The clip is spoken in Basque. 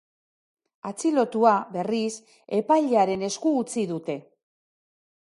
Atxilotua, berriz, epailearen esku utzi dute.